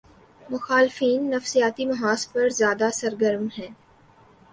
مخالفین نفسیاتی محاذ پر زیادہ سرگرم ہیں۔